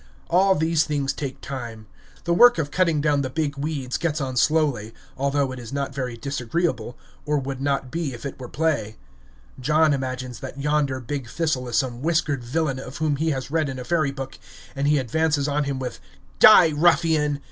All these things take time. The work of cutting down the big weeds gets on slowly, although it is not very disagreeable, or would not be if it were play. John imagines that yonder big thistle is some whiskered villain, of whom he has read in a fairy book, and he advances on him with "Die, ruffian!"